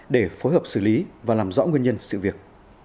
để phối hợp xử lý và làm rõ nguyên nhân sự việc